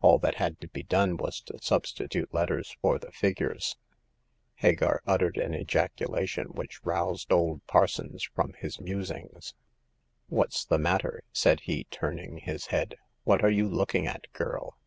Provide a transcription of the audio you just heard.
All that had to be done was to substitute letters for the figures. Hagar uttered an ejaculation which roused old Parsons from his musings. The Fifth Customer. 141 "What's the matter?" said he, turning his head :" what are you looking at, girl